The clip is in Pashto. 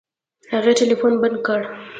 هغې ټلفون بند کړ.